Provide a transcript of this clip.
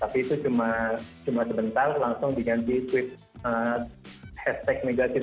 tapi itu cuma sebentar langsung diganti hashtag negatif